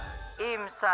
tuh kan imsak